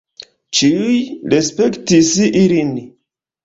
Ĉiuj respektis ilin.